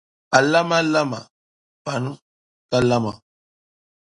A lama lama, pani ka lama.